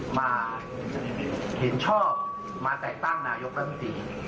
มาหินชอบมาแตกตั้งนายกรัฐธรรมดี